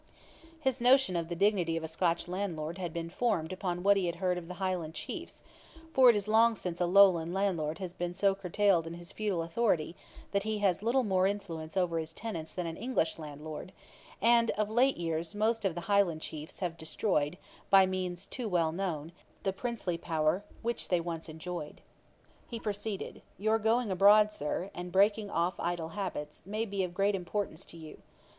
His notion of the dignity of a Scotch landlord had been formed upon what he had heard of the Highland Chiefs; for it is long since a lowland landlord has been so curtailed in his feudal authority, that he has little more influence over his tenants than an English landlord; and of late years most of the Highland Chiefs have destroyed, by means too well known, the princely power which they once enjoyed. [Page 410: Johnson's kindness of heart. A.D. 1763.] He proceeded: 'Your going abroad, Sir, and breaking off idle habits, may be of great importance to you.